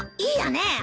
いいよね？